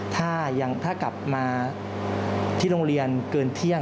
ถ้ากลับมาที่โรงเรียนเกินเที่ยง